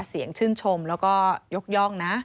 เสียงชื่นชมแล้วก็ยกย่องนะ